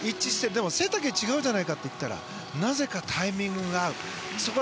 でも、背丈が違うじゃないかって言ったら、なぜかタイミングが合うって。